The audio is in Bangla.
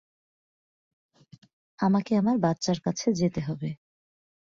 আমাকে আমার বাচ্চার কাছে যেতে হবে।